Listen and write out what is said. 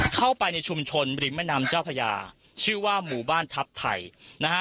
เข้าไปในชุมชนริมแม่น้ำเจ้าพญาชื่อว่าหมู่บ้านทัพไทยนะฮะ